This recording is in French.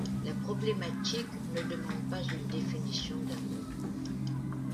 La problématique ne demande pas une définition d'un mot.